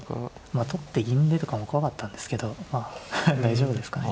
まあ取って銀出とかも怖かったんですけどまあ大丈夫ですかね。